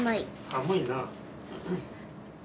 寒いなあ。